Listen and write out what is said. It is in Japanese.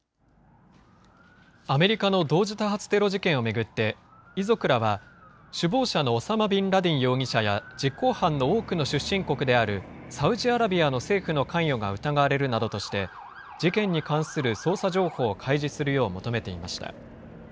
アメリカの同時多発テロ事件を巡って、遺族らは、首謀者のオサマ・ビンラディン容疑者や実行犯の多くの出身国であるサウジアラビアの政府の関与が疑われるなどとして、事件に関する捜査情報を開示するよう求めていました。